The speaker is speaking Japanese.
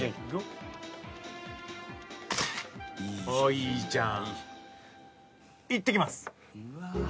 いいじゃん。